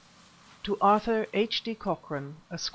To Arthur H. D. Cochrane, Esq.